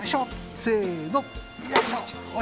せの！